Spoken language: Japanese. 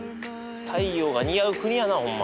太陽が似合う国やなほんま。